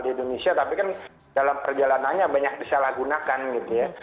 di indonesia tapi kan dalam perjalanannya banyak disalahgunakan gitu ya